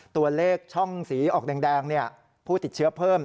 ตัวเลขช่องสีออกแดงผู้ติดเชื้อเพิ่ม